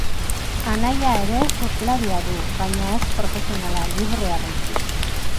Anaia ere surflaria du, baina ez profesionala, librea baizik.